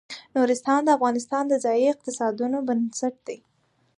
نورستان د افغانستان د ځایي اقتصادونو بنسټ دی.